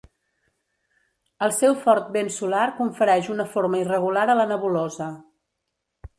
El seu fort vent solar confereix una forma irregular a la nebulosa.